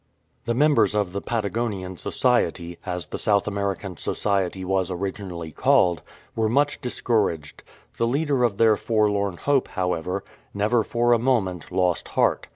The members of the Patagonian Society, as the South American Society was originally called, were much dis couraged. The leader of their forlorn hope, however, never for a moment lost heart.